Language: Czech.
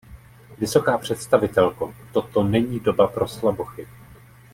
Vysoká představitelko, toto není doba pro slabochy.